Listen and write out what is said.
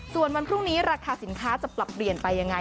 ส่วนวันพรุ่งนี้ราคาสินค้าจะปรับเปลี่ยนไปยังไง